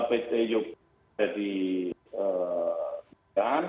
pt yogyakarta di jepang